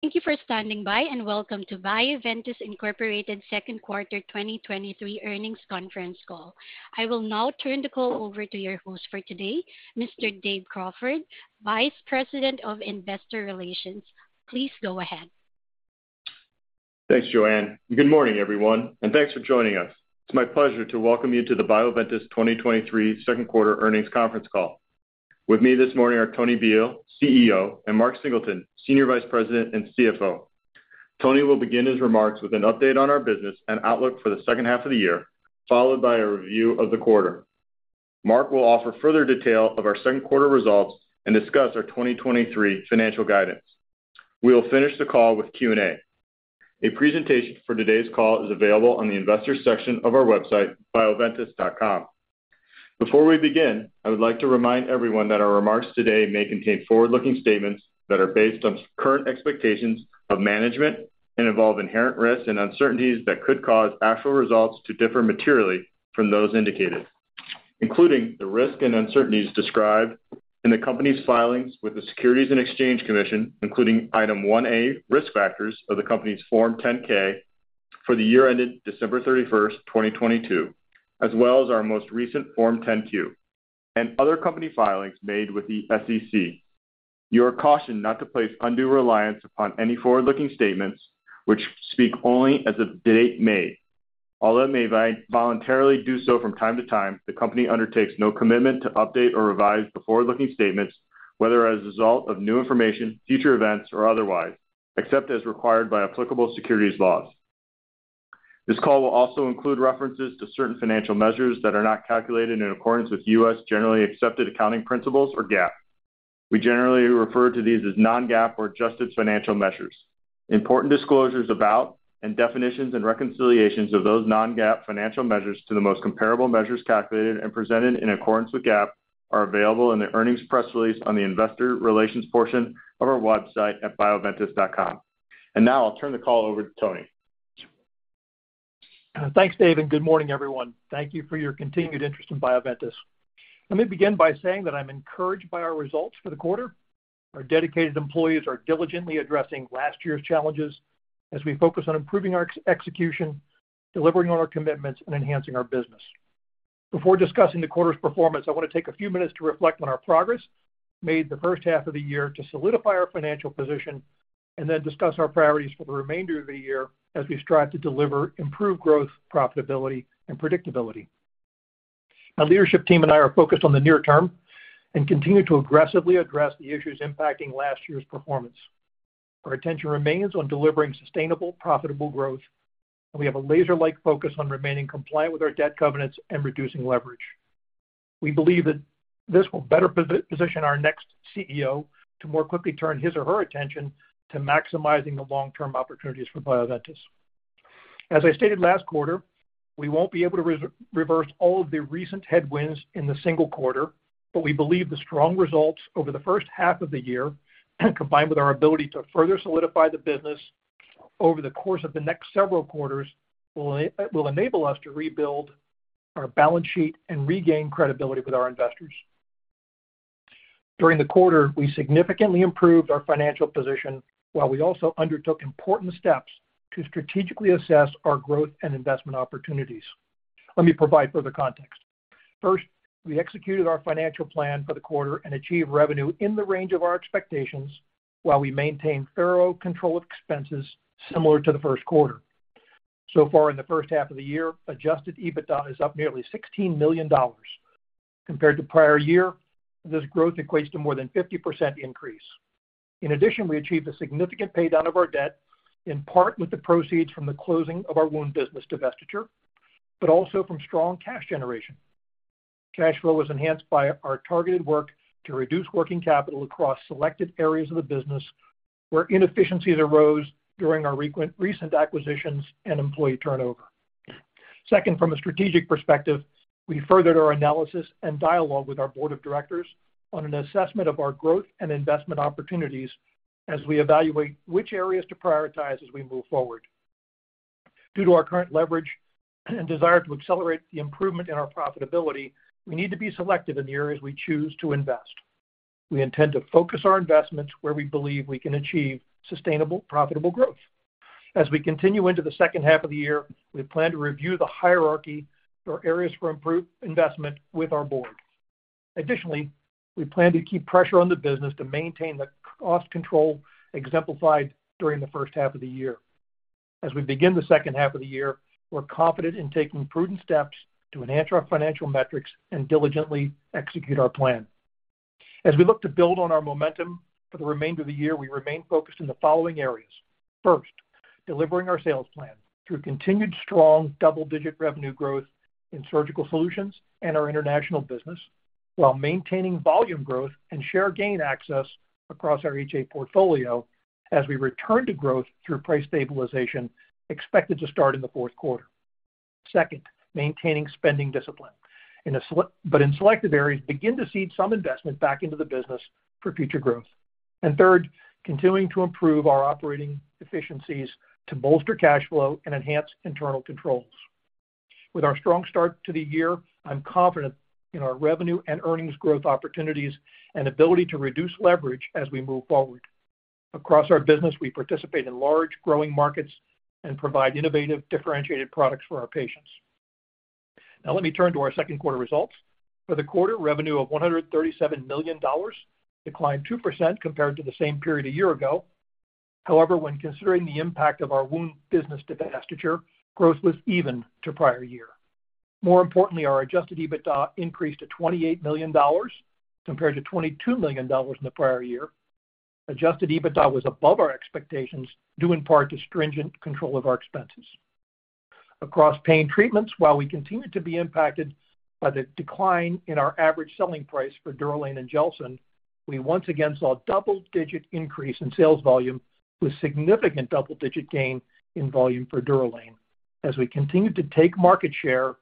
Thank you for standing by, welcome to Bioventus Incorporated second quarter 2023 earnings conference call. I will now turn the call over to your host for today, Mr. Dave Crawford, Vice President of Investor Relations. Please go ahead. Thanks, Joanne, good morning, everyone, and thanks for joining us. It's my pleasure to welcome you to the Bioventus 2023 second quarter earnings conference call. With me this morning are Tony Bihl, CEO, and Mark Singleton, Senior Vice President and CFO. Tony will begin his remarks with an update on our business and outlook for the second half of the year, followed by a review of the quarter. Mark will offer further detail of our second quarter results and discuss our 2023 financial guidance. We will finish the call with Q&A. A presentation for today's call is available on the Investors section of our website, bioventus.com. Before we begin, I would like to remind everyone that our remarks today may contain forward-looking statements that are based on current expectations of management and involve inherent risks and uncertainties that could cause actual results to differ materially from those indicated, including the risks and uncertainties described in the company's filings with the Securities and Exchange Commission, including Item 1A, Risk Factors of the Company's Form 10-K for the year ended December 31st, 2022, as well as our most recent Form 10-Q, and other company filings made with the SEC. You are cautioned not to place undue reliance upon any forward-looking statements, which speak only as of the date made. Although it may voluntarily do so from time to time, the company undertakes no commitment to update or revise the forward-looking statements, whether as a result of new information, future events, or otherwise, except as required by applicable securities laws. This call will also include references to certain financial measures that are not calculated in accordance with U.S. generally accepted accounting principles or GAAP. We generally refer to these as non-GAAP or adjusted financial measures. Important disclosures about and definitions and reconciliations of those non-GAAP financial measures to the most comparable measures calculated and presented in accordance with GAAP are available in the earnings press release on the investor relations portion of our website at bioventus.com. Now I'll turn the call over to Tony. Thanks, Dave, good morning, everyone. Thank you for your continued interest in Bioventus. Let me begin by saying that I'm encouraged by our results for the quarter. Our dedicated employees are diligently addressing last year's challenges as we focus on improving our ex-execution, delivering on our commitments, and enhancing our business. Before discussing the quarter's performance, I want to take a few minutes to reflect on our progress made the first half of the year to solidify our financial position, then discuss our priorities for the remainder of the year as we strive to deliver improved growth, profitability, and predictability. My leadership team and I are focused on the near term and continue to aggressively address the issues impacting last year's performance. Our attention remains on delivering sustainable, profitable growth, and we have a laser-like focus on remaining compliant with our debt covenants and reducing leverage. We believe that this will better position our next CEO to more quickly turn his or her attention to maximizing the long-term opportunities for Bioventus. As I stated last quarter, we won't be able to reverse all of the recent headwinds in the single quarter, but we believe the strong results over the first half of the year, combined with our ability to further solidify the business over the course of the next several quarters, will enable us to rebuild our balance sheet and regain credibility with our investors. During the quarter, we significantly improved our financial position, while we also undertook important steps to strategically assess our growth and investment opportunities. Let me provide further context. First, we executed our financial plan for the quarter and achieved revenue in the range of our expectations, while we maintained thorough control of expenses similar to the first quarter. Far in the first half of the year, adjusted EBITDA is up nearly $16 million. Compared to prior year, this growth equates to more than 50% increase. In addition, we achieved a significant paydown of our debt, in part with the proceeds from the closing of our Wound business divestiture, but also from strong cash generation. Cash flow was enhanced by our targeted work to reduce working capital across selected areas of the business, where inefficiencies arose during our recent acquisitions and employee turnover. Second, from a strategic perspective, we furthered our analysis and dialogue with our board of directors on an assessment of our growth and investment opportunities as we evaluate which areas to prioritize as we move forward. Due to our current leverage and desire to accelerate the improvement in our profitability, we need to be selective in the areas we choose to invest. We intend to focus our investments where we believe we can achieve sustainable, profitable growth. As we continue into the second half of the year, we plan to review the hierarchy for areas for improved investment with our board. Additionally, we plan to keep pressure on the business to maintain the cost control exemplified during the first half of the year. As we begin the second half of the year, we're confident in taking prudent steps to enhance our financial metrics and diligently execute our plan. As we look to build on our momentum for the remainder of the year, we remain focused in the following areas. First, delivering our sales plan through continued strong double-digit revenue growth in Surgical Solutions and our international business, while maintaining volume growth and share gain access across our HA portfolio as we return to growth through price stabilization expected to start in the fourth quarter. Second, maintaining spending discipline. In selected areas, begin to seed some investment back into the business for future growth. Third, continuing to improve our operating efficiencies to bolster cash flow and enhance internal controls. With our strong start to the year, I'm confident in our revenue and earnings growth opportunities and ability to reduce leverage as we move forward. Across our business, we participate in large, growing markets and provide innovative, differentiated products for our patients. Now let me turn to our second quarter results. For the quarter, revenue of $137 million declined 2% compared to the same period a year ago. When considering the impact of our Wound business divestiture, growth was even to prior year. More importantly, our adjusted EBITDA increased to $28 million, compared to $22 million in the prior year. Adjusted EBITDA was above our expectations, due in part to stringent control of our expenses. Across Pain Treatments, while we continued to be impacted by the decline in our average selling price for DUROLANE and GELSYN-3, we once again saw a double-digit increase in sales volume, with significant double-digit gain in volume for DUROLANE as we continued to take market share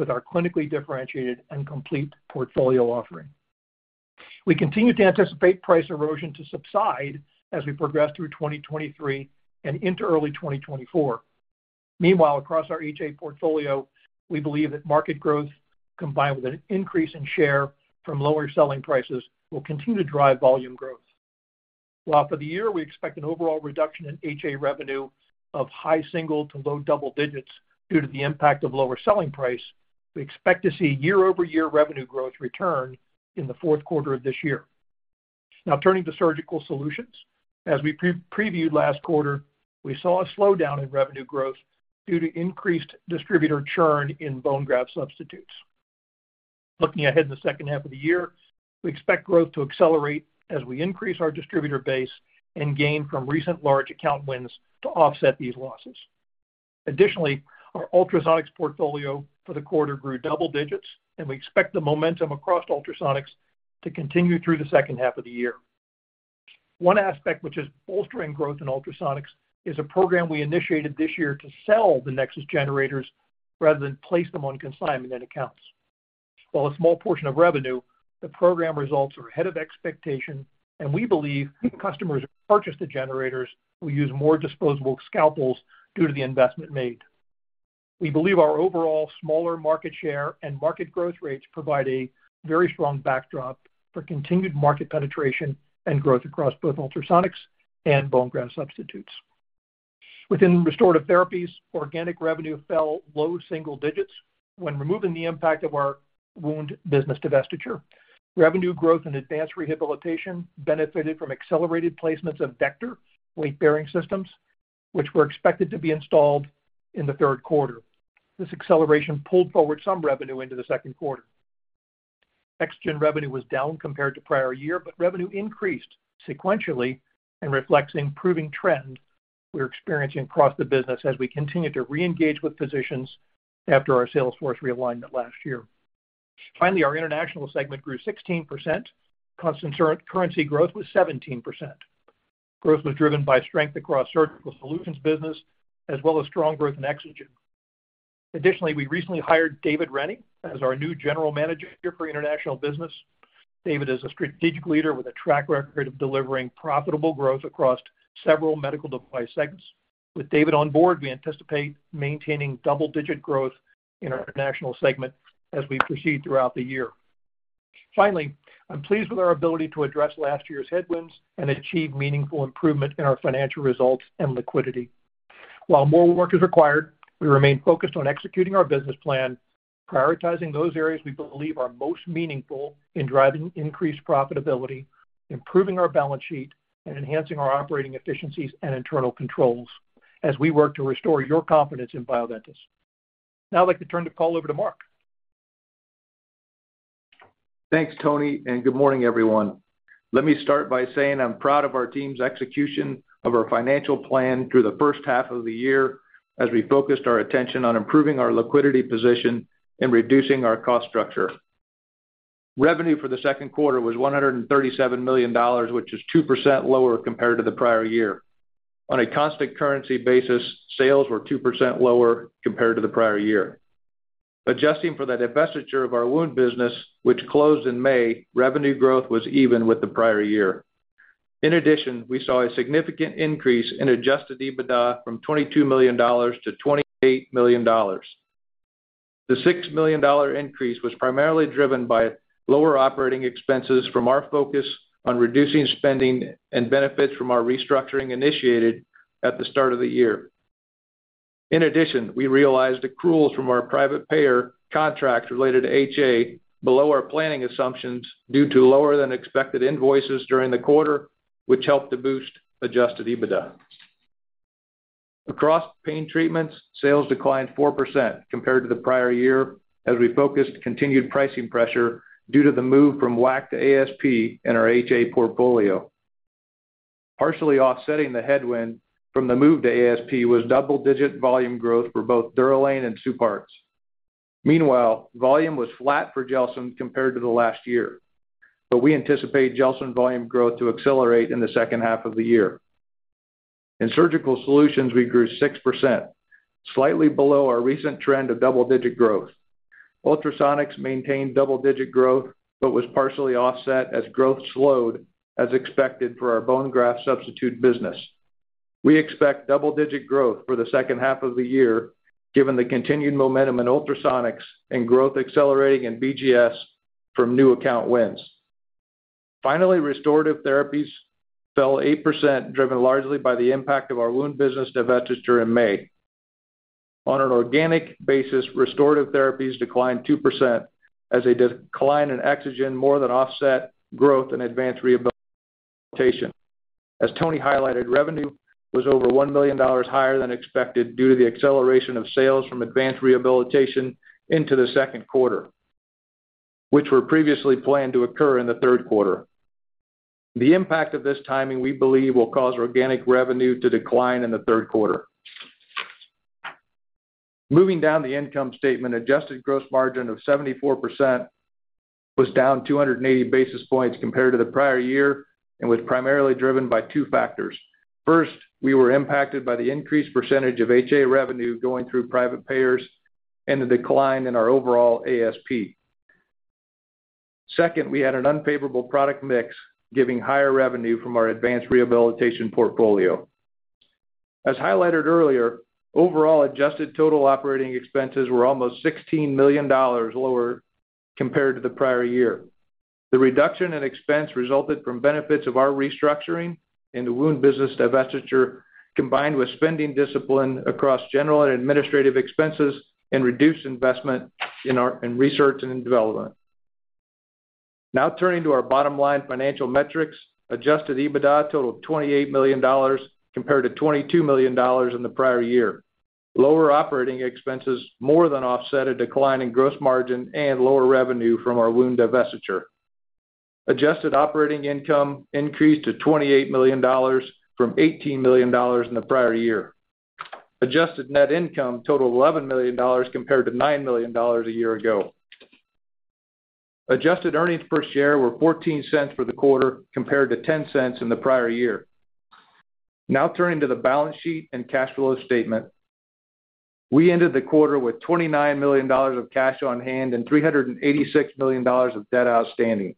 with our clinically differentiated and complete portfolio offering. We continue to anticipate price erosion to subside as we progress through 2023 and into early 2024. Meanwhile, across our HA portfolio, we believe that market growth, combined with an increase in share from lower selling prices, will continue to drive volume growth. While for the year, we expect an overall reduction in HA revenue of high single to low double digits due to the impact of lower selling price, we expect to see year-over-year revenue growth return in the fourth quarter of this year. Now, turning to Surgical Solutions. As we pre-previewed last quarter, we saw a slowdown in revenue growth due to increased distributor churn in bone graft substitutes. Looking ahead in the second half of the year, we expect growth to accelerate as we increase our distributor base and gain from recent large account wins to offset these losses. Additionally, our Ultrasonics portfolio for the quarter grew double digits, and we expect the momentum across Ultrasonics to continue through the second half of the year. One aspect which is bolstering growth in Ultrasonics is a program we initiated this year to sell the neXus generators rather than place them on consignment and accounts. While a small portion of revenue, the program results are ahead of expectation, and we believe customers who purchase the generators will use more disposable scalpels due to the investment made. We believe our overall smaller market share and market growth rates provide a very strong backdrop for continued market penetration and growth across both Ultrasonics and bone graft substitutes. Within Restorative Therapies, organic revenue fell low single digits when removing the impact of our Wound business divestiture. Revenue growth in Advanced Rehabilitation benefited from accelerated placements of Vector weight-bearing systems, which were expected to be installed in the third quarter. This acceleration pulled forward some revenue into the second quarter. EXOGEN revenue was down compared to prior year, but revenue increased sequentially and reflects the improving trend we're experiencing across the business as we continue to reengage with physicians after our sales force realignment last year. Finally, our international segment grew 16%. Constant currency growth was 17%. Growth was driven by strength across Surgical Solutions business as well as strong growth in EXOGEN. Additionally, we recently hired David Rennie as our new General Manager for International Business. David is a strategic leader with a track record of delivering profitable growth across several medical device segments. With David on board, we anticipate maintaining double-digit growth in our international segment as we proceed throughout the year. Finally, I'm pleased with our ability to address last year's headwinds and achieve meaningful improvement in our financial results and liquidity. While more work is required, we remain focused on executing our business plan, prioritizing those areas we believe are most meaningful in driving increased profitability, improving our balance sheet, and enhancing our operating efficiencies and internal controls as we work to restore your confidence in Bioventus. Now I'd like to turn the call over to Mark. Thanks, Tony, and good morning, everyone. Let me start by saying I'm proud of our team's execution of our financial plan through the first half of the year, as we focused our attention on improving our liquidity position and reducing our cost structure. Revenue for the second quarter was $137 million, which is 2% lower compared to the prior year. On a constant currency basis, sales were 2% lower compared to the prior year. Adjusting for the divestiture of our Wound business, which closed in May, revenue growth was even with the prior year. In addition, we saw a significant increase in adjusted EBITDA from $22 million to $28 million. The $6 million increase was primarily driven by lower operating expenses from our focus on reducing spending and benefits from our restructuring initiated at the start of the year. In addition, we realized accruals from our private payer contracts related to HA below our planning assumptions due to lower than expected invoices during the quarter, which helped to boost Adjusted EBITDA. Across Pain Treatments, sales declined 4% compared to the prior year, as we focused continued pricing pressure due to the move from WAC to ASP in our HA portfolio. Partially offsetting the headwind from the move to ASP was double-digit volume growth for both DUROLANE and Supartz. Volume was flat for GELSYN compared to the last year, but we anticipate GELSYN volume growth to accelerate in the second half of the year. In Surgical Solutions, we grew 6%, slightly below our recent trend of double-digit growth. Ultrasonics maintained double-digit growth, but was partially offset as growth slowed, as expected for our bone graft substitute business. We expect double-digit growth for the second half of the year, given the continued momentum in Ultrasonics and growth accelerating in BGS from new account wins. Restorative Therapies fell 8%, driven largely by the impact of our Wound business divestiture in May. On an organic basis, Restorative Therapies declined 2% as a decline in EXOGEN more than offset growth in Advanced Rehabilitation. As Tony highlighted, revenue was over $1 million higher than expected due to the acceleration of sales from Advanced Rehabilitation into the second quarter, which were previously planned to occur in the third quarter. The impact of this timing, we believe, will cause organic revenue to decline in the third quarter. Moving down the income statement, adjusted gross margin of 74% was down 280 basis points compared to the prior year and was primarily driven by two factors. First, we were impacted by the increased percentage of HA revenue going through private payers and the decline in our overall ASP. Second, we had an unfavorable product mix, giving higher revenue from our Advanced Rehabilitation portfolio. As highlighted earlier, overall adjusted total operating expenses were almost $16 million lower compared to the prior year. The reduction in expense resulted from benefits of our restructuring and the Wound business divestiture, combined with spending discipline across general and administrative expenses and reduced investment in our in research and in development. Now turning to our bottom line financial metrics. Adjusted EBITDA totaled $28 million compared to $22 million in the prior year. Lower operating expenses more than offset a decline in gross margin and lower revenue from our wound divestiture. Adjusted operating income increased to $28 million from $18 million in the prior year. Adjusted net income totaled $11 million compared to $9 million a year ago. Adjusted earnings per share were $0.14 for the quarter, compared to $0.10 in the prior year. Turning to the balance sheet and cash flow statement. We ended the quarter with $29 million of cash on hand and $386 million of debt outstanding.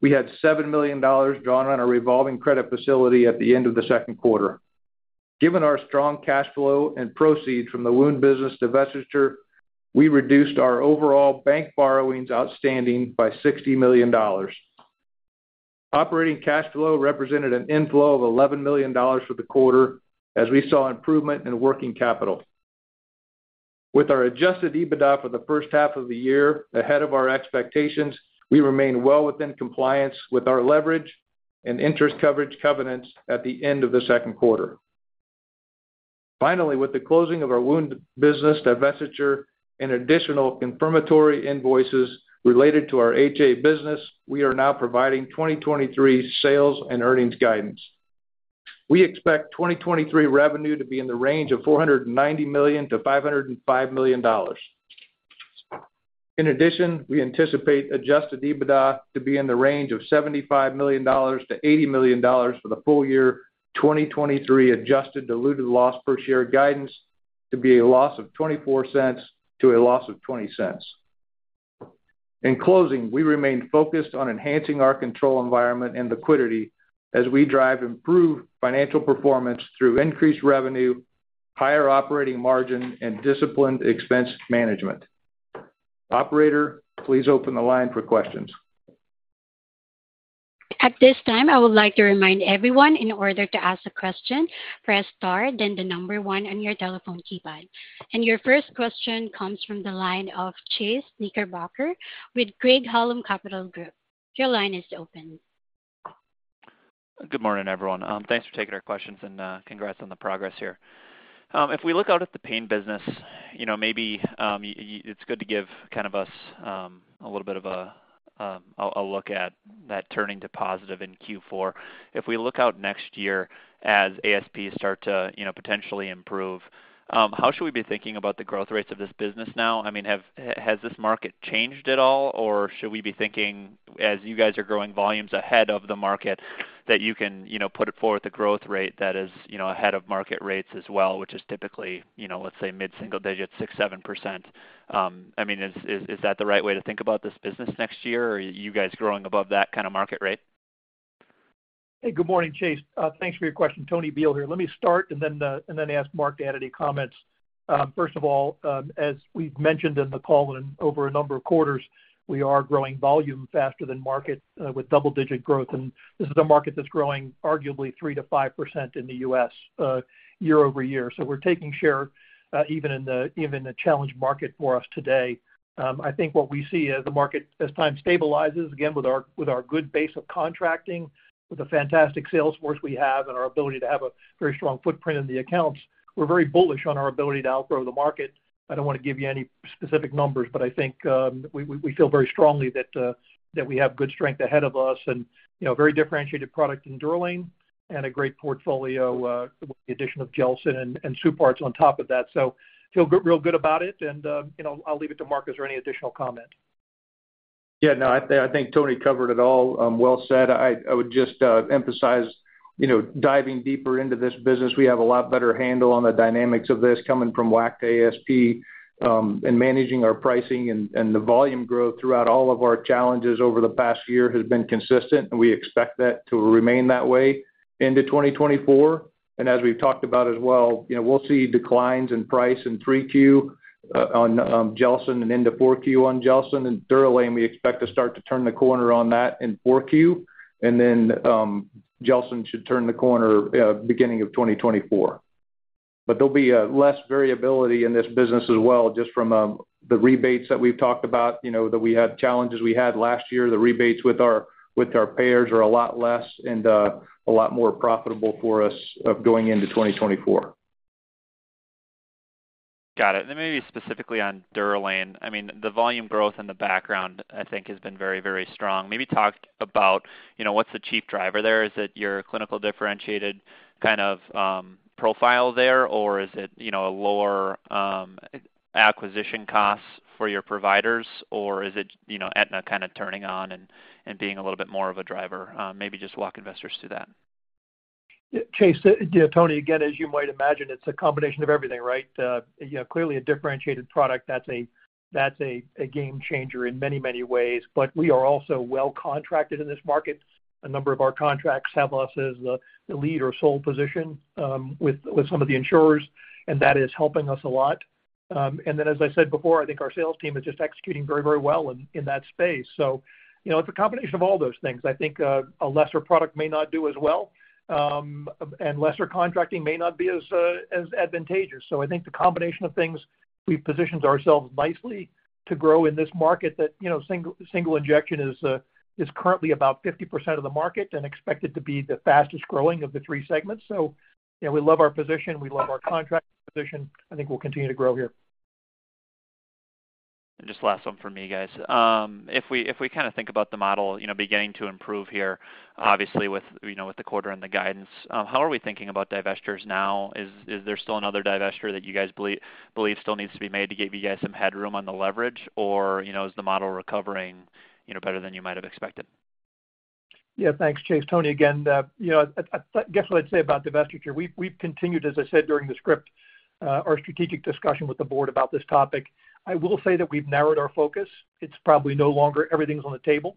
We had $7 million drawn on our revolving credit facility at the end of the second quarter. Given our strong cash flow and proceeds from the Wound business divestiture, we reduced our overall bank borrowings outstanding by $60 million. Operating cash flow represented an inflow of $11 million for the quarter as we saw improvement in working capital. With our adjusted EBITDA for the first half of the year ahead of our expectations, we remain well within compliance with our leverage and interest coverage covenants at the end of the second quarter. Finally, with the closing of our Wound business divestiture and additional confirmatory invoices related to our HA business, we are now providing 2023 sales and earnings guidance. We expect 2023 revenue to be in the range of $490 million-$505 million. In addition, we anticipate adjusted EBITDA to be in the range of $75 million-$80 million for the full year. 2023 adjusted diluted loss per share guidance to be a loss of $0.24 to a loss of $0.20. In closing, we remain focused on enhancing our control environment and liquidity as we drive improved financial performance through increased revenue, higher operating margin, and disciplined expense management. Operator, please open the line for questions. At this time, I would like to remind everyone, in order to ask a question, press star, then the number one on your telephone keypad. Your first question comes from the line of Chase Knickerbocker with Craig-Hallum Capital Group. Your line is open. Good morning, everyone. Thanks for taking our questions, and congrats on the progress here. If we look out at the pain business, you know, maybe, it's good to give kind of us a little bit of a look at that turning to positive in Q4. If we look out next year as ASPs start to, you know, potentially improve, how should we be thinking about the growth rates of this business now? I mean, has this market changed at all, or should we be thinking, as you guys are growing volumes ahead of the market, that you can, you know, put it forward with a growth rate that is, you know, ahead of market rates as well, which is typically, you know, let's say, mid-single digits, 6%, 7%? I mean, is that the right way to think about this business next year, or are you guys growing above that kind of market rate? Hey, good morning, Chase. Thanks for your question. Tony Bihl here. Let me start and then ask Mark to add any comments. First of all, as we've mentioned in the call and over a number of quarters, we are growing volume faster than market, with double-digit growth, and this is a market that's growing arguably 3%-5% in the U.S. year-over-year. We're taking share even in the, even a challenged market for us today. I think what we see as the market, as time stabilizes, again, with our, with our good base of contracting, with the fantastic sales force we have, and our ability to have a very strong footprint in the accounts, we're very bullish on our ability to outgrow the market. I don't want to give you any specific numbers, but I think, we, we, we feel very strongly that, that we have good strength ahead of us and, you know, very differentiated product in DUROLANE and a great portfolio, with the addition of GELSYN and, and SUPARTZ FX on top of that. Feel good, real good about it, and, you know, I'll leave it to Mark, is there any additional comment? Yeah, no, I, I think Tony covered it all, well said. I, I would just emphasize, you know, diving deeper into this business, we have a lot better handle on the dynamics of this coming from WAC to ASP, and managing our pricing and, and the volume growth throughout all of our challenges over the past year has been consistent, and we expect that to remain that way into 2024. As we've talked about as well, you know, we'll see declines in price in 3Q on GELSYN-3 and into 4Q on GELSYN-3. DUROLANE, we expect to start to turn the corner on that in 4Q. GELSYN-3 should turn the corner beginning of 2024. There'll be less variability in this business as well, just from the rebates that we've talked about, you know, that we had challenges we had last year. The rebates with our, with our payers are a lot less and a lot more profitable for us of going into 2024. Got it. Maybe specifically on DUROLANE, I mean, the volume growth in the background, I think, has been very, very strong. Maybe talk about, you know, what's the chief driver there? Is it your clinical differentiated kind of profile there? Is it, you know, a lower acquisition costs for your providers? Is it, you know, Aetna kind of turning on and being a little bit more of a driver? Maybe just walk investors through that. Yeah, Chase. Yeah, Tony, again, as you might imagine, it's a combination of everything, right? Yeah, clearly a differentiated product, that's a, that's a, a game changer in many, many ways. We are also well contracted in this market. A number of our contracts have us as the, the lead or sole physician, with, with some of the insurers, and that is helping us a lot. As I said before, I think our sales team is just executing very, very well in, in that space. You know, it's a combination of all those things. I think, a lesser product may not do as well, and lesser contracting may not be as, as advantageous. I think the combination of things, we've positioned ourselves nicely to grow in this market that, you know, single, single injection is currently about 50% of the market and expected to be the fastest growing of the three segments. You know, we love our position, we love our contract position. I think we'll continue to grow here. Just last one for me, guys. If we, if we kind of think about the model, you know, beginning to improve here, obviously with, you know, with the quarter and the guidance, how are we thinking about divestitures now? Is there still another divestiture that you guys believe still needs to be made to give you guys some headroom on the leverage? You know, is the model recovering, you know, better than you might have expected? Yeah, thanks, Chase. Tony, again, you know, I, I guess what I'd say about divestiture, we've, we've continued, as I said during the script, our strategic discussion with the board about this topic. I will say that we've narrowed our focus. It's probably no longer everything's on the table.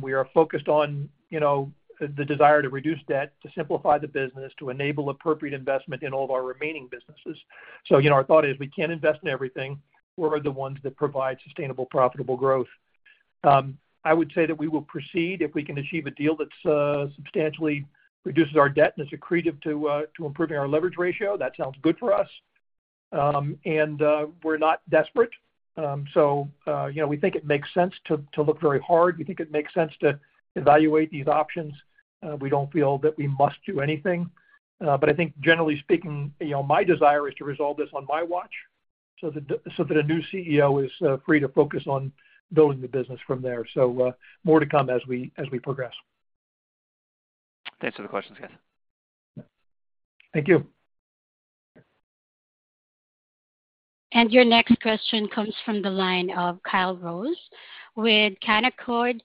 We are focused on, you know, the desire to reduce debt, to simplify the business, to enable appropriate investment in all of our remaining businesses. You know, our thought is we can't invest in everything. What are the ones that provide sustainable, profitable growth? I would say that we will proceed if we can achieve a deal that substantially reduces our debt and is accretive to improving our leverage ratio. That sounds good for us. We're not desperate. You know, we think it makes sense to, to look very hard. We think it makes sense to evaluate these options. We don't feel that we must do anything, but I think generally speaking, you know, my desire is to resolve this on my watch so that a new CEO is free to focus on building the business from there. More to come as we, as we progress. Thanks for the questions, guys. Thank you. Your next question comes from the line of Kyle Rose with Canaccord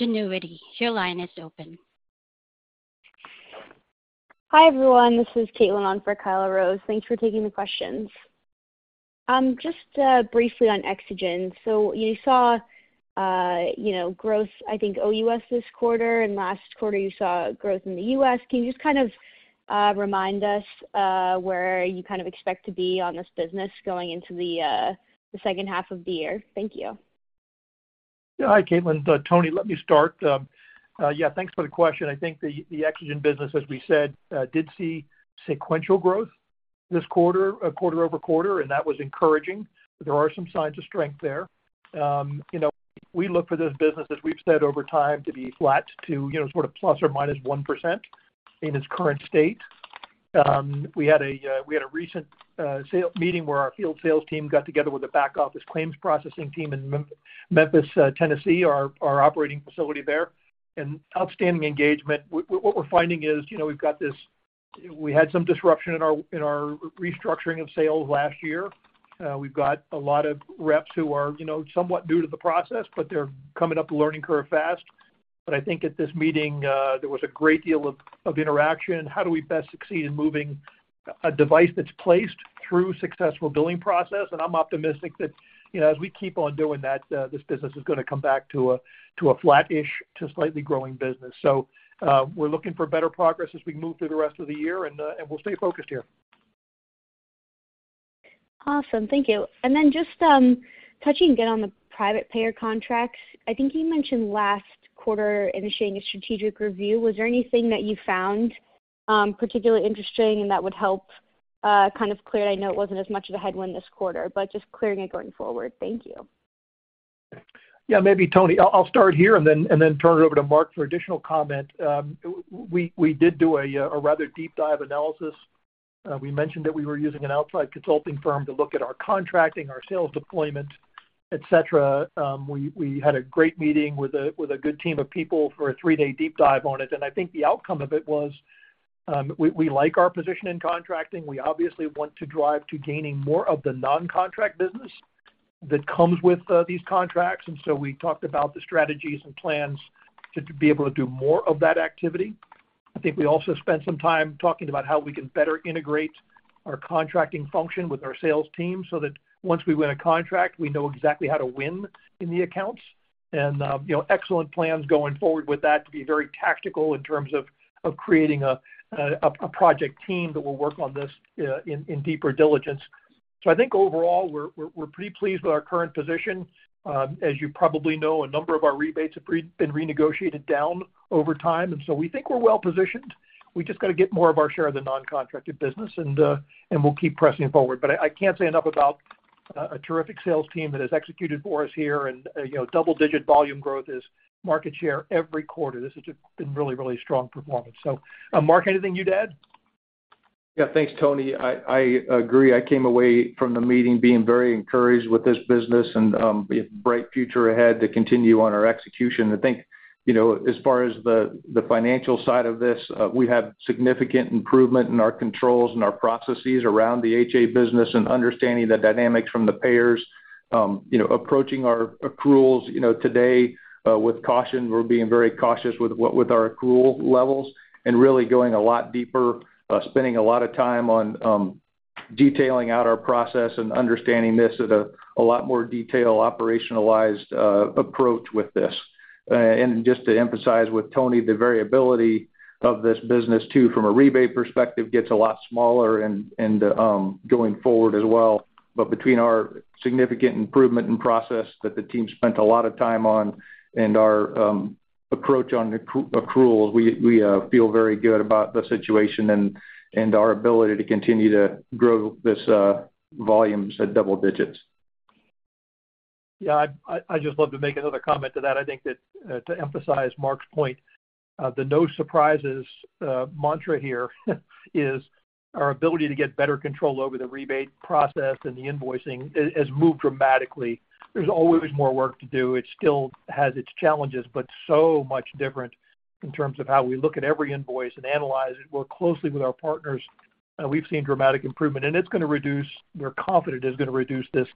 Genuity. Your line is open. Hi, everyone. This is Caitlin on for Kyle Rose. Thanks for taking the questions. Just briefly on EXOGEN. You saw, you know, growth, I think, OU.S. this quarter, and last quarter you saw growth in the U.S. Can you just kind of remind us where you kind of expect to be on this business going into the second half of the year? Thank you. Hi, Caitlin. Tony, let me start. Yeah, thanks for the question. I think the, the EXOGEN business, as we said, did see sequential growth this quarter, quarter over quarter, and that was encouraging. There are some signs of strength there. You know, we look for this business, as we've said over time, to be flat to, you know, sort of plus or minus 1% in its current state. We had a recent sale meeting where our field sales team got together with the back office claims processing team in Memphis, Tennessee, our operating facility there, and outstanding engagement. What we're finding is, you know, we've got this We had some disruption in our, in our restructuring of sales last year. We've got a lot of reps who are, you know, somewhat new to the process, but they're coming up the learning curve fast. I think at this meeting, there was a great deal of, of interaction. How do we best succeed in moving a device that's placed through successful billing process? I'm optimistic that, you know, as we keep on doing that, this business is gonna come back to a, to a flat-ish to slightly growing business. We're looking for better progress as we move through the rest of the year, and we'll stay focused here. Awesome. Thank you. Just touching again on the private payer contracts. I think you mentioned last quarter initiating a strategic review. Was there anything that you found particularly interesting and that would help kind of clear? I know it wasn't as much of a headwind this quarter, but just clearing it going forward. Thank you. Yeah. Maybe, Tony, I'll, I'll start here and then, and then turn it over to Mark for additional comment. we, we did do a rather deep dive analysis. We mentioned that we were using an outside consulting firm to look at our contracting, our sales deployment, et cetera. We, we had a great meeting with a good team of people for a 3-day deep dive on it, and I think the outcome of it was. We, we like our position in contracting. We obviously want to drive to gaining more of the non-contract business that comes with these contracts, and so we talked about the strategies and plans to be able to do more of that activity. I think we also spent some time talking about how we can better integrate our contracting function with our sales team, so that once we win a contract, we know exactly how to win in the accounts. You know, excellent plans going forward with that to be very tactical in terms of, of creating a, a, a project team that will work on this in, in deeper diligence. I think overall, we're, we're, we're pretty pleased with our current position. As you probably know, a number of our rebates have been renegotiated down over time, and so we think we're well positioned. We just got to get more of our share of the non-contracted business, and we'll keep pressing forward. I, I can't say enough about a terrific sales team that has executed for us here and, you know, double-digit volume growth is market share every quarter. This has just been really, really strong performance. Mark, anything you'd add? Yeah. Thanks, Tony. I, I agree. I came away from the meeting being very encouraged with this business and, we have a bright future ahead to continue on our execution. I think, you know, as far as the, the financial side of this, we have significant improvement in our controls and our processes around the HA business and understanding the dynamics from the payers. You know, approaching our accruals, you know, today, with caution, we're being very cautious with our accrual levels and really going a lot deeper, spending a lot of time on, detailing out our process and understanding this at a, a lot more detailed, operationalized, approach with this. Just to emphasize with Tony, the variability of this business, too, from a rebate perspective, gets a lot smaller and, and, going forward as well. Between our significant improvement in process that the team spent a lot of time on and our approach on accruals, we, we feel very good about the situation and our ability to continue to grow this volumes at double digits. Yeah, I'd just love to make another comment to that. I think that, to emphasize Mark's point, the no surprises mantra here is our ability to get better control over the rebate process and the invoicing has moved dramatically. There's always more work to do. It still has its challenges, but so much different in terms of how we look at every invoice and analyze it, work closely with our partners, and we've seen dramatic improvement. It's gonna reduce, we're confident it's gonna reduce this,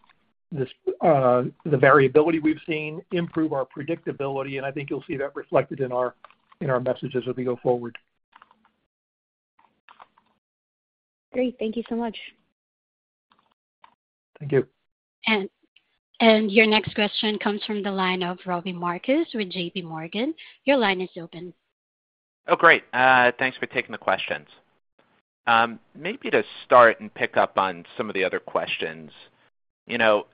the variability we've seen, improve our predictability, I think you'll see that reflected in our, in our messages as we go forward. Great. Thank you so much. Thank you. Your next question comes from the line of Robbie Marcus with JPMorgan. Your line is open. Oh, great. Thanks for taking the questions. Maybe to start and pick up on some of the other questions, you know,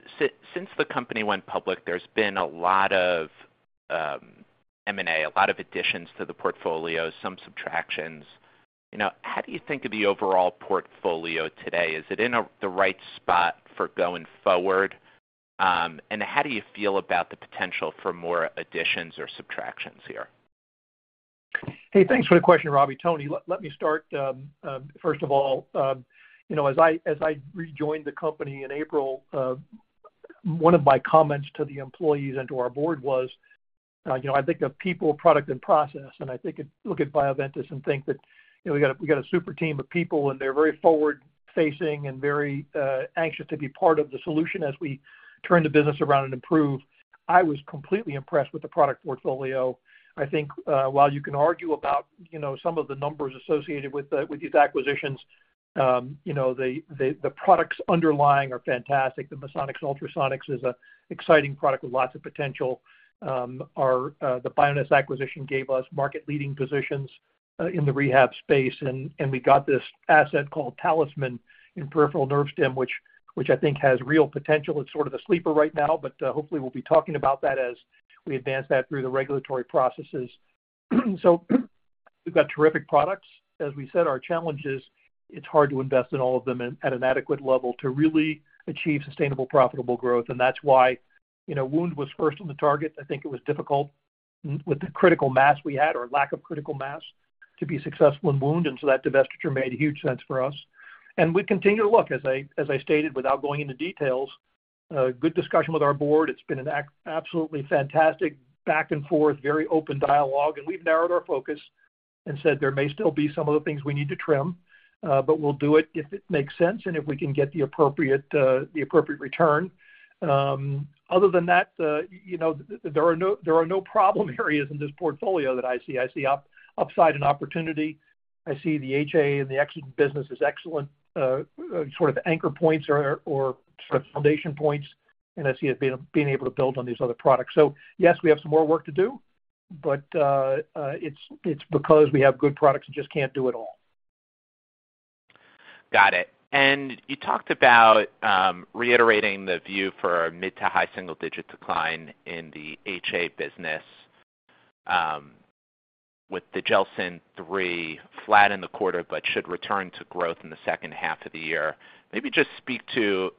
since the company went public, there's been a lot of M&A, a lot of additions to the portfolio, some subtractions. You know, how do you think of the overall portfolio today? Is it in the right spot for going forward? How do you feel about the potential for more additions or subtractions here? Hey, thanks for the question, Robbie. Tony, let me start. First of all, you know, as I rejoined the company in April, one of my comments to the employees and to our board was, you know, I think of people, product, and process, and look at Bioventus and think that, you know, we got a super team of people, and they're very forward-facing and very anxious to be part of the solution as we turn the business around and improve. I was completely impressed with the product portfolio. I think, while you can argue about, you know, some of the numbers associated with the, with these acquisitions, you know, the products underlying are fantastic. The Misonix Ultrasonics is a exciting product with lots of potential. Our, the Bioness acquisition gave us market-leading positions in the rehab space, and, and we got this asset called TalisMann in peripheral nerve stimulation, which, which I think has real potential. It's sort of a sleeper right now, but, hopefully, we'll be talking about that as we advance that through the regulatory processes. So we've got terrific products. As we said, our challenge is, it's hard to invest in all of them at, at an adequate level to really achieve sustainable, profitable growth. That's why, you know, wound was first on the target. I think it was difficult with the critical mass we had or lack of critical mass, to be successful in wound, and so that divestiture made huge sense for us. We continue to look, as I, as I stated, without going into details, good discussion with our board. It's been an absolutely fantastic back and forth, very open dialogue, and we've narrowed our focus and said there may still be some of the things we need to trim, but we'll do it if it makes sense and if we can get the appropriate, the appropriate return. Other than that, you know, there are no, there are no problem areas in this portfolio that I see. I see upside and opportunity. I see the HA and the EXOGEN business as excellent, sort of anchor points or, or sort of foundation points, and I see us being, being able to build on these other products. Yes, we have some more work to do, but it's because we have good products, we just can't do it all. Got it. You talked about reiterating the view for a mid to high single-digit decline in the HA business, with the GELSYN-3 flat in the quarter, but should return to growth in the second half of the year. Maybe just speak to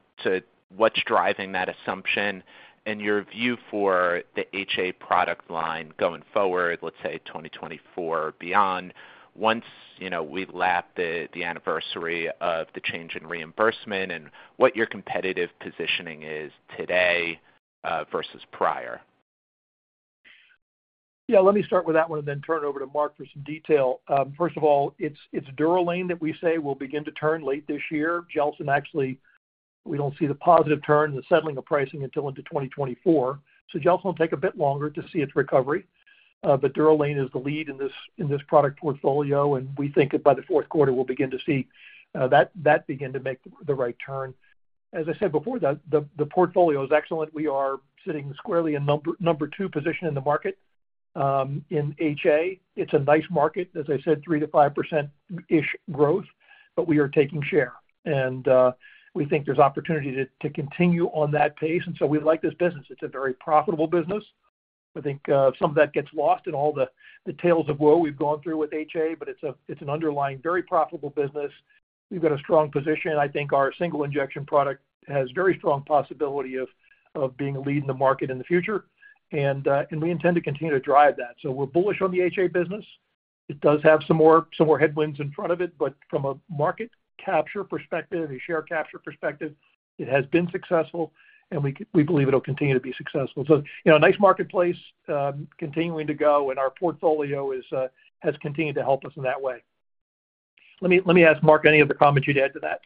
what's driving that assumption and your view for the HA product line going forward, let's say 2024 or beyond, once, you know, we lap the anniversary of the change in reimbursement and what your competitive positioning is today, versus prior? Yeah, let me start with that one and then turn it over to Mark for some detail. First of all, it's, it's DUROLANE that we say will begin to turn late this year. GELSYN, actually, we don't see the positive turn, the settling of pricing until into 2024. GELSYN will take a bit longer to see its recovery. DUROLANE is the lead in this, in this product portfolio, and we think that by the fourth quarter, we'll begin to see that, that begin to make the right turn. As I said before, the, the, the portfolio is excellent. We are sitting squarely in number, number two position in the market, in HA. It's a nice market, as I said, 3%-5%-ish growth, but we are taking share. We think there's opportunity to, to continue on that pace, so we like this business. It's a very profitable business. I think some of that gets lost in all the, the tales of woe we've gone through with HA, it's an underlying, very profitable business. We've got a strong position. I think our single injection product has very strong possibility of, of being a lead in the market in the future, and we intend to continue to drive that. We're bullish on the HA business. It does have some more, some more headwinds in front of it, but from a market capture perspective, a share capture perspective, it has been successful, and we, we believe it'll continue to be successful. You know, nice marketplace, continuing to go, and our portfolio is has continued to help us in that way. Let me, let me ask Mark, any other comments you'd add to that?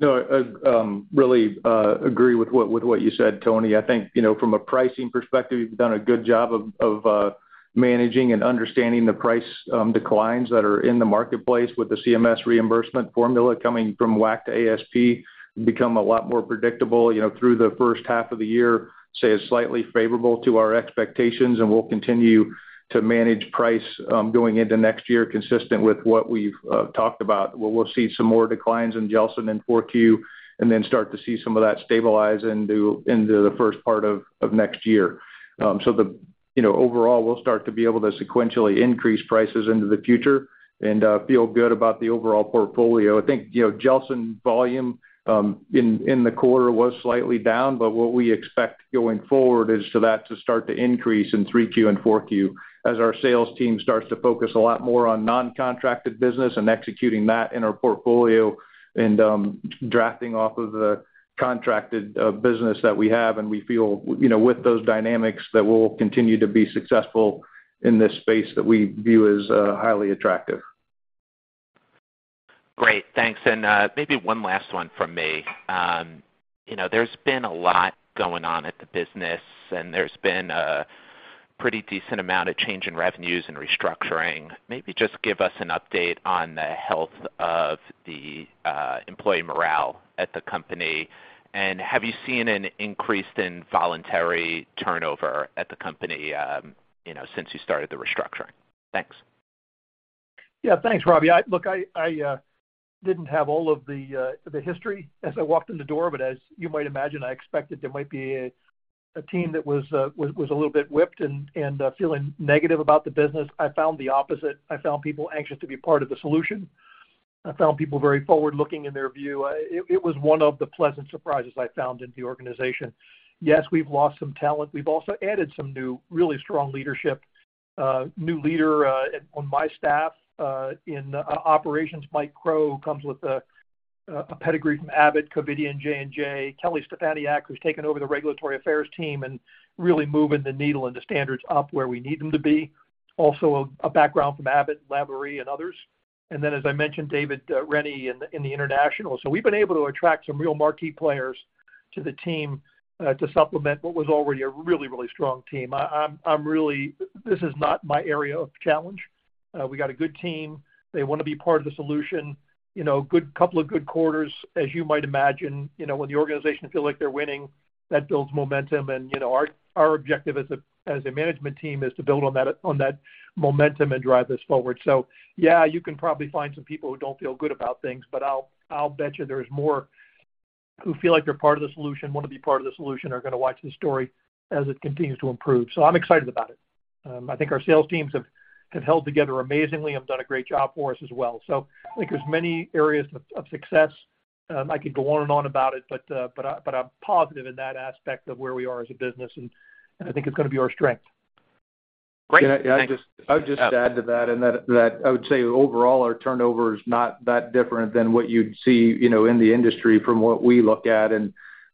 No, I really agree with what, with what you said, Tony. I think, you know, from a pricing perspective, we've done a good job of, of managing and understanding the price declines that are in the marketplace with the CMS reimbursement formula coming from WAC to ASP, become a lot more predictable, you know, through the first half of the year, say, is slightly favorable to our expectations, and we'll continue to manage price going into next year, consistent with what we've talked about. We'll see some more declines in GELSYN in four Q, and then start to see some of that stabilize into, into the first part of next year. You know, overall, we'll start to be able to sequentially increase prices into the future and feel good about the overall portfolio. I think, you know, GELSYN volume, in, in the quarter was slightly down, but what we expect going forward is for that to start to increase in 3Q and 4Q as our sales team starts to focus a lot more on non-contracted business and executing that in our portfolio and, drafting off of the contracted, business that we have. We feel, you know, with those dynamics, that we'll continue to be successful in this space that we view as, highly attractive. Great, thanks. Maybe one last one from me. you know, there's been a lot going on at the business, and there's been a pretty decent amount of change in revenues and restructuring. Maybe just give us an update on the health of the employee morale at the company, and have you seen an increase in voluntary turnover at the company, you know, since you started the restructuring? Thanks. Yeah. Thanks, Robbie. I Look, I, I didn't have all of the history as I walked in the door, but as you might imagine, I expected there might be a team that was, was, was a little bit whipped and, and feeling negative about the business. I found the opposite. I found people anxious to be part of the solution. I found people very forward-looking in their view. It, it was one of the pleasant surprises I found in the organization. Yes, we've lost some talent. We've also added some new, really strong leadership. New leader on my staff in operations, Mike Crowe, comes with a pedigree from Abbott, Covidien, J&J. Kellie Stefaniak, who's taken over the regulatory affairs team and really moving the needle and the standards up where we need them to be. A background from Abbott, Laborie and others. As I mentioned, David Rennie in the, in the international. We've been able to attract some real marquee players to the team to supplement what was already a really, really strong team. This is not my area of challenge. We got a good team. They want to be part of the solution. You know, good, couple of good quarters, as you might imagine, you know, when the organization feel like they're winning, that builds momentum. You know, our objective as a management team is to build on that momentum and drive this forward. Yeah, you can probably find some people who don't feel good about things, but I'll, I'll bet you there's more who feel like they're part of the solution, want to be part of the solution, are gonna watch this story as it continues to improve. I'm excited about it. I think our sales teams have, have held together amazingly and done a great job for us as well. I think there's many areas of, of success. I could go on and on about it, but I, but I'm positive in that aspect of where we are as a business, and, and I think it's gonna be our strength. Great. Yeah, I just, I would just add to that, and that, that I would say overall, our turnover is not that different than what you'd see, you know, in the industry from what we look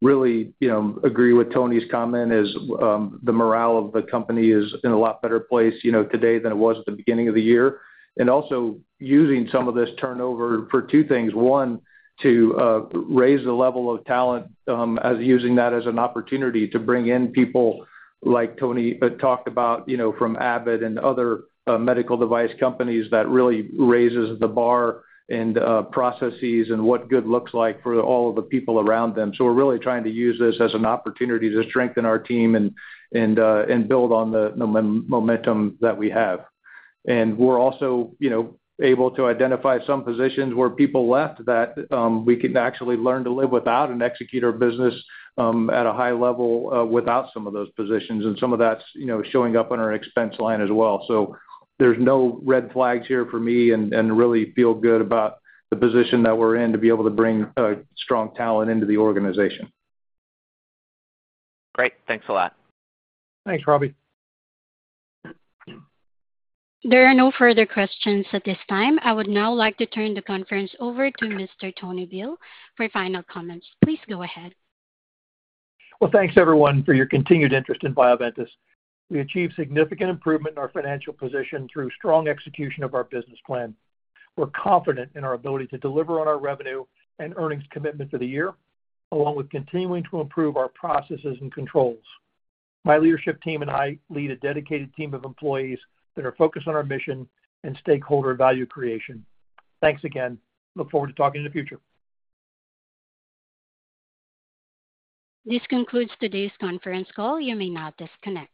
at. Really, you know, agree with Tony's comment is, the morale of the company is in a lot better place, you know, today than it was at the beginning of the year. Also using some of this turnover for two things: one, to raise the level of talent, as using that as an opportunity to bring in people like Tony talked about, you know, from Abbott and other medical device companies. That really raises the bar and processes and what good looks like for all of the people around them. We're really trying to use this as an opportunity to strengthen our team and build on the momentum that we have. We're also, you know, able to identify some positions where people left that, we can actually learn to live without and execute our business, at a high level, without some of those positions. Some of that's, you know, showing up on our expense line as well. There's no red flags here for me, and really feel good about the position that we're in to be able to bring strong talent into the organization. Great. Thanks a lot. Thanks, Robbie. There are no further questions at this time. I would now like to turn the conference over to Mr. Tony Bihl for final comments. Please go ahead. Well, thanks everyone for your continued interest in Bioventus. We achieved significant improvement in our financial position through strong execution of our business plan. We're confident in our ability to deliver on our revenue and earnings commitments of the year, along with continuing to improve our processes and controls. My leadership team and I lead a dedicated team of employees that are focused on our mission and stakeholder value creation. Thanks again. Look forward to talking to you in the future. This concludes today's conference call. You may now disconnect.